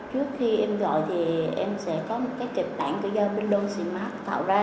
trước khi em gọi thì em sẽ có một kết bạn của do bên đông sĩ mạc tạo ra